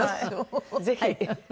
ぜひ。